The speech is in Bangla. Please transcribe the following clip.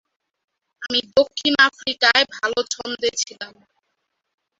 আমি দক্ষিণ আফ্রিকায় ভালো ছন্দে ছিলাম।